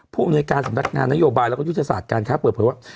ผู้อุณิจการสำนักงานนโยบาลและวิทยาศาสตร์การค้าเผย